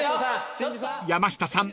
［山下さん